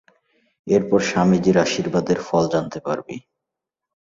এর পর স্বামীজীর আশীর্বাদের ফল জানতে পারবি।